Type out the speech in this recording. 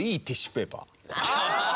ああ！